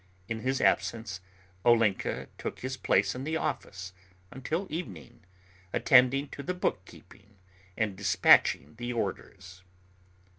In his absence Olenka took his place in the office until evening, attending to the book keeping and despatching the orders.